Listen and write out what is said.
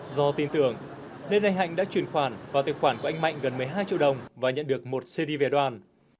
do tin tưởng nên anh hạnh đã chuyển khoản vào tài khoản của anh mạnh gần một mươi hai triệu đồng và nhận được một cd về đoàn